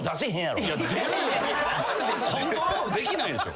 コントロールできないでしょ。